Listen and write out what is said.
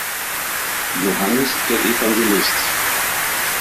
Johannes der Evangelist.